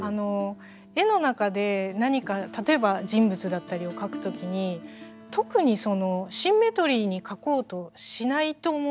絵の中で何か例えば人物だったりを描く時に特にシンメトリーに描こうとしないと思うんですよ。